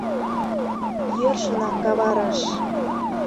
— Йӧршынак каварыш...